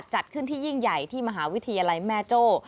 จัดขึ้นที่ยิ่งใหญ่ที่มหาวิทยาลัยแม่โจ้